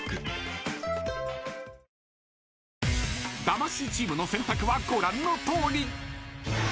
［魂チームの選択はご覧のとおり］